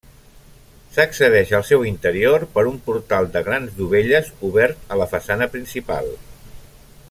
S'accedeix al seu interior per un portal de grans dovelles obert a la façana principal.